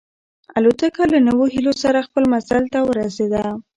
الوتکه له نویو هیلو سره خپل منزل ته ورسېده.